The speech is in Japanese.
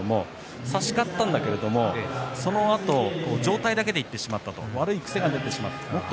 差し勝ったんだけれどもそのあと上体だけでいってしまったと悪い癖が出てしまったと。